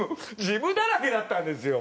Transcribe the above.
ジムだらけだったんですよ